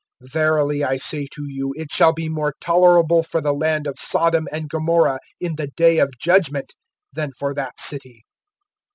(15)Verily I say to you, it shall be more tolerable for the land of Sodom and Gomorrah in the day of judgment, than for that city.